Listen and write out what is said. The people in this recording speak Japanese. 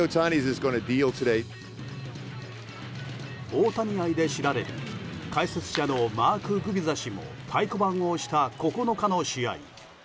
大谷愛で知られる解説者のマーク・グビザ氏も太鼓判を押した９日の試合。